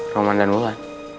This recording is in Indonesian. roman dan wulan